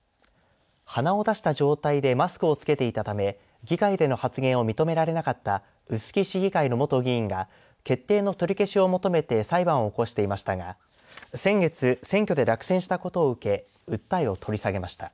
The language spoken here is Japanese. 鼻を出した状態でマスクを着けていたため議会での発言を認められなかった臼杵市議会の元議員が決定の取り消しを求めて裁判を起こしていましたが先月選挙で落選したことを受けて訴えを取り下げました。